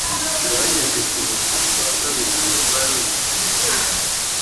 Bageze ku rugi rwa kabiri narwo rwari rurinzwe imbere n’inyuma,